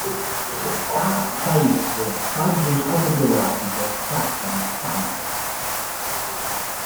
A. Fais, Pagine autobiografiche, Sassari, stamp.